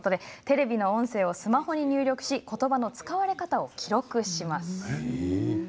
テレビの音声をスマホに入力しことばの使われ方を記録します。